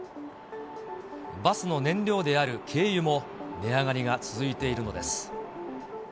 バスの燃料である軽油も値上がりが続いているのです。